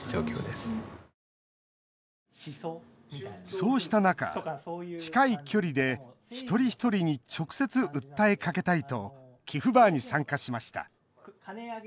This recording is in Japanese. そうした中、近い距離で一人一人に直接、訴えかけたいとキフバーに参加しました。